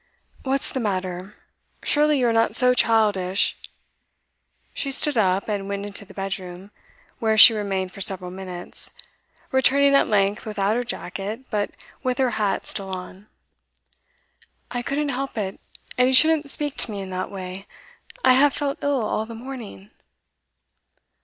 'What's the matter? Surely you are not so childish' She stood up, and went into the bedroom, where she remained for several minutes, returning at length without her jacket, but with her hat still on. 'I couldn't help it; and you shouldn't speak to me in that way. I have felt ill all the morning.